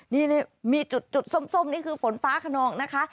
นี่มีจุดส้มนี่คือฝนฟ้าขนองนะคะ